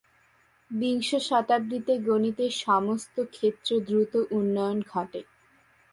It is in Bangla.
বিংশ শতাব্দীতে গণিতের সমস্ত ক্ষেত্রে দ্রুত উন্নয়ন ঘটে।